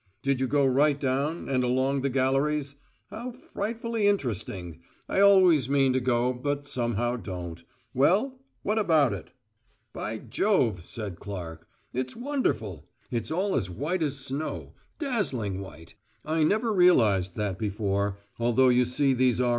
Did you go right down, and along the galleries? How frightfully interesting. I always mean to go, but somehow don't. Well, what about it?" "By Jove," said Clark. "It's wonderful. It's all as white as snow, dazzling white. I never realised that before, although you see these R.E.